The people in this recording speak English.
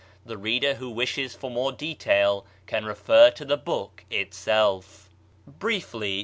The reader who wishes for more detail can refer to the book itself. Briefly, M.